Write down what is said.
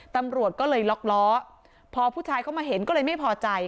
ตำรวจก็เลยล็อกล้อพอผู้ชายเขามาเห็นก็เลยไม่พอใจ